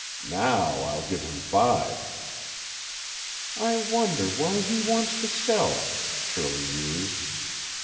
Now I'll give him five." "I wonder why he wants to sell," Shirley mused.